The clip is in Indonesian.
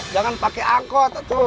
jangan pake angkot atuh